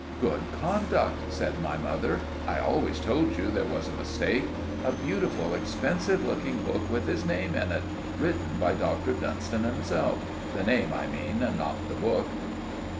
"Good conduct," said my mother. "I always told you there was a mistake. A beautiful, expensive looking book with his name in it, written by Dr. Dunstan himself—the name I mean—not the book."